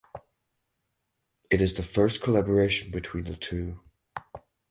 It is the first collaboration between the two.